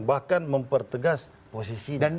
bahkan mempertegas posisinya